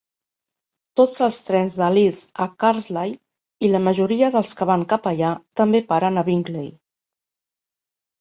Tots els trens de Leeds a Carlisle i la majoria dels que van cap allà també paren a Bingley.